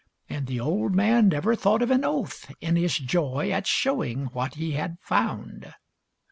And the old man never thought of an oath, in his joy At showing what he had found.